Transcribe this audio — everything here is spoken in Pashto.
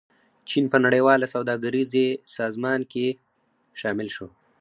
چین په نړیواله سوداګریزې سازمان کې شامل شو.